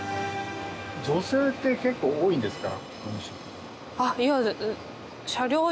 女性って結構多いんですか？